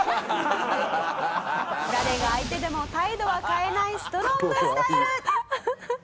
「誰が相手でも態度は変えないストロングスタイル」